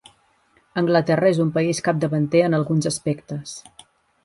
Anglaterra és un país capdavanter en alguns aspectes.